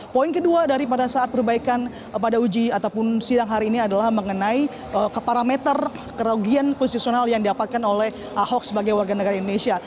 poin kedua dari pada saat perbaikan pada uji ataupun sidang hari ini adalah mengenai parameter kerugian posisional yang didapatkan oleh ahok sebagai warga negara indonesia